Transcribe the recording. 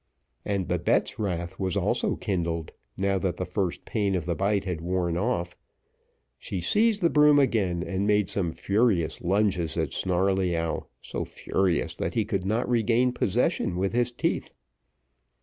And Babette's wrath was also kindled, now that the first pain of the bite had worn off; she seized the broom again, and made some furious lunges at Snarleyyow, so furious, that he could not regain possession with his teeth.